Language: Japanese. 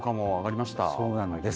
そうなんです。